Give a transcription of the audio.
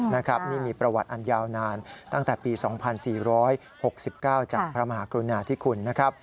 นี่มีประวัติอันยาวนานตั้งแต่ปี๒๔๖๙จากพระมหากรุณาธิคุณนะครับ